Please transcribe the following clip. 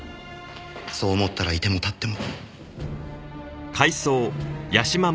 そう思ったら居ても立っても。